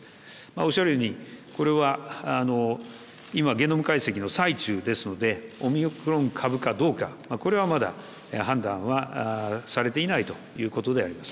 おっしゃるように、これは今、ゲノム解析の際中ですのでオミクロン株かどうかこれはまだ、判断はされていないということであります。